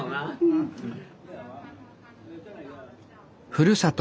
ふるさと